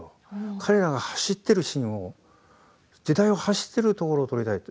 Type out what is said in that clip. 彼らが走っているシーンを時代を走っているところを撮りたいと。